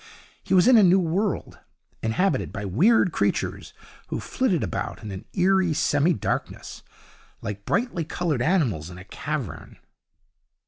He was in a new world, inhabited by weird creatures, who flitted about in an eerie semi darkness, like brightly coloured animals in a cavern.